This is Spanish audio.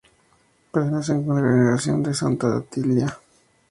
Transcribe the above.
Pertenece a la Congregación de Santa Otilia.